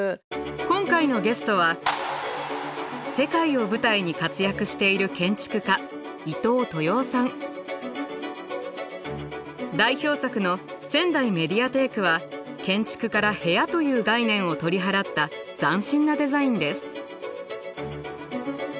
今回のゲストは世界を舞台に活躍している代表作のせんだいメディアテークは建築から部屋という概念を取り払った斬新なデザインです。